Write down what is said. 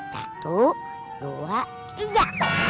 satu dua tiga